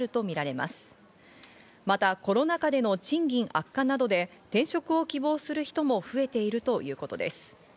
またコロナ禍での賃金悪化などで転職を希望する人も増えているということです。